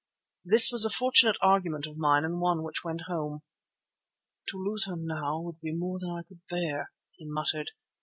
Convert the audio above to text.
This was a fortunate argument of mine and one which went home. "To lose her now would be more than I could bear," he muttered.